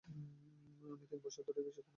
আমি তিন বৎসর এ বিষয়ে কোন উচ্চবাচ্য করি নাই।